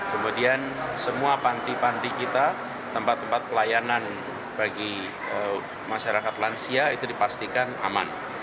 kemudian semua panti panti kita tempat tempat pelayanan bagi masyarakat lansia itu dipastikan aman